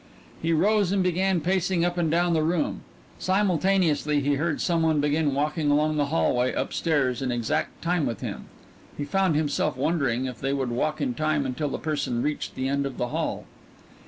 He rose and began pacing up and down the room. Simultaneously he heard some one begin walking along the hallway up stairs in exact time with him. He found himself wondering if they would walk in time until the person reached the end of the hall.